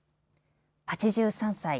８３歳。